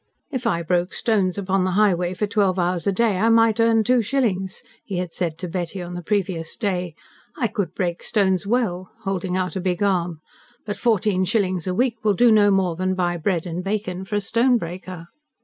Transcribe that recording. "If I broke stones upon the highway for twelve hours a day, I might earn two shillings," he had said to Betty, on the previous day. "I could break stones well," holding out a big arm, "but fourteen shillings a week will do no more than buy bread and bacon for a stonebreaker."